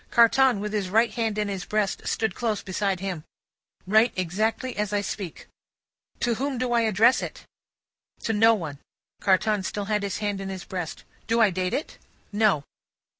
Carton, with his right hand in his breast, stood close beside him. "Write exactly as I speak." "To whom do I address it?" "To no one." Carton still had his hand in his breast. "Do I date it?" "No."